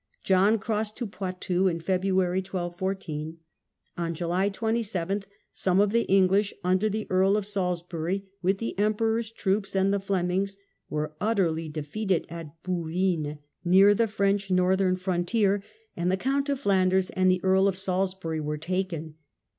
John crossed to Poitou in February, 12 14. On July 27 some of the English, under the Earl of Salisbury, with the emperor's troops and the Flemings, were utterly defeated at Bouvines, near 56 MAGNA CARTA. the French northern frontier, and the Count of Flanders and the Earl of Salisbury were taken.